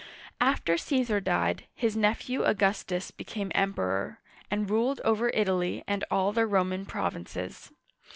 After Caesar died, his nephew Augustus became Em peror, and ruled over Italy and all the Roman provinces.